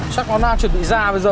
chắc nó đang chuẩn bị ra bây giờ